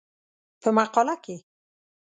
په مقاله کې